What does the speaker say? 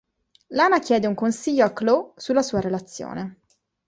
Lana chiede un consiglio a Chloe sulla sua relazione.